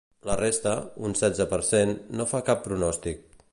La resta, un setze per cent, no fa cap pronòstic.